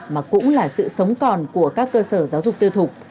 mà cũng là sự sống còn của các cơ sở giáo dục tư thục